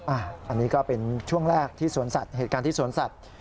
อันนี้ก็เป็นช่วงแรกที่สวนสัตว์เหตุการณ์ที่สวนสัตว์